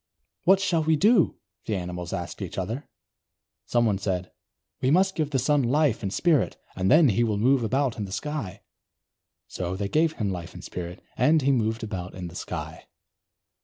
"What shall we do?" the animals asked one another. Someone said: "We must give the Sun life and spirit, and then he will move about in the sky." So they gave him life and spirit, and he moved about in the sky.